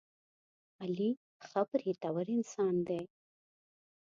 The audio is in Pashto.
علي ښه برېتور انسان دی.